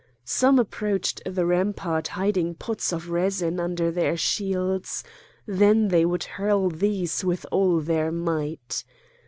Some approached the rampart hiding pots of resin under their shields; then they would hurl these with all their might.